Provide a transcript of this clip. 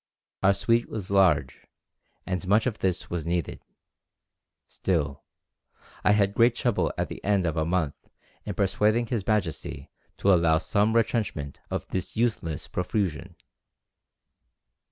Our suite was large, and much of this was needed; still I had great trouble at the end of a month in persuading his majesty to allow some retrenchment of this useless profusion."